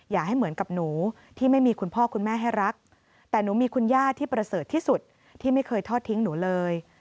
อย่าให้เหมือนกับหนูที่ไม่มีคุณพ่อคุณแม่ให้รักแต่หนูมีคุณย่าที่ประเสริฐที่สุดที่ไม่เคยทอดทิ้งหนูเลย